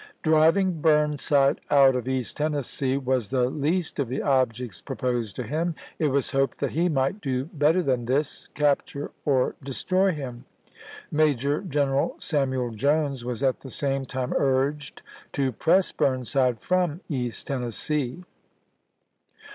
Driving Burnside out of East Tennessee was the least of the objects proposed to him; it was hoped that he might do better than this, cap ^^ ture or destroy him. Major G eneral Samuel Jones ^ov^f ilea' was at the same time urged to press Burnside from ..^fSy East Tennessee.